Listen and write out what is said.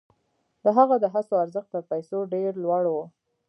د هغه د هڅو ارزښت تر پیسو ډېر لوړ و.